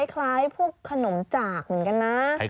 คล้ายพวกขนมจากเหมือนกันนะ